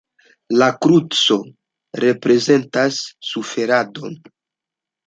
La kruco reprezentas suferadon.